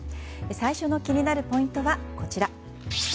最初の気になるポイントはこちら。